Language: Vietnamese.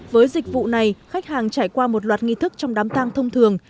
với dịch vụ này khách hàng trải qua một loạt nghi thức trong đám tang thông thường